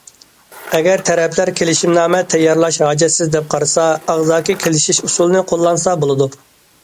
ئەگەر تەرەپلەر كېلىشىمنامە تەييارلاش ھاجەتسىز دەپ قارىسا، ئاغزاكى كېلىشىش ئۇسۇلىنى قوللانسا بولىدۇ.